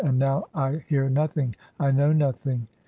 And now I hear nothing, I know nothing."